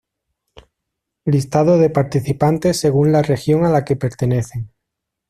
Listado de participantes según la región a la que pertenecen.